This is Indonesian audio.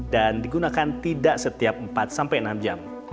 dan digunakan tidak setiap empat enam jam